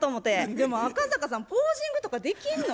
でも赤阪さんポージングとかできんの？